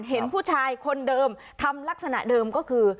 เห็นผู้ชายคนเดิมทำลักษณะเดิมก็คือ